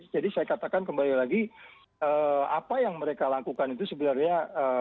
jadi saya katakan kembali lagi apa yang mereka lakukan itu sebenarnya